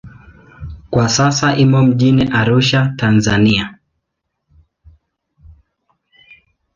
Kwa sasa imo mjini Arusha, Tanzania.